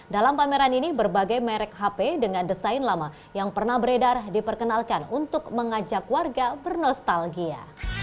dalam pameran ini berbagai merek hp dengan desain lama yang pernah beredar diperkenalkan untuk mengajak warga bernostalgia